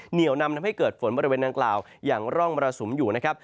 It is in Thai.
เหนียวนำทำให้เกิดฝนบริเวณนางกล่าวอย่างร่องมรสุมอยู่นะครับ